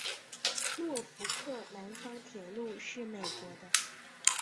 诺福克南方铁路是美国的。